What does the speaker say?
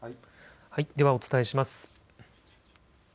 ではお伝えします。